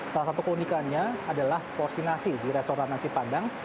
salah satu keunikannya adalah porsi nasi di restoran nasi padang